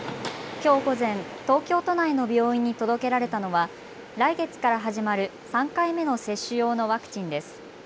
きょう午前、東京都内の病院に届けられたのは来月から始まる３回目の接種用のワクチンです。